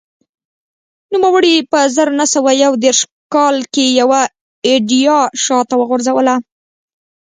نوموړي په زر نه سوه یو دېرش کال کې یوه ایډیا شا ته وغورځوله